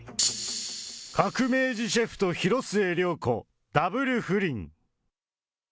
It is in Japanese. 革命児シェフと広末涼子、ダブル不倫。